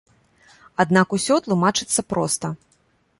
Аднак усё тлумачыцца проста.